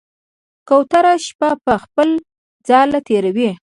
کوتره شپه په خپل ځاله تېروي.